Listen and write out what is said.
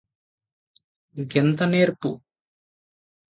గెంత నేర్పు